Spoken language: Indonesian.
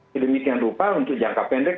sedemikian rupa untuk jangka pendek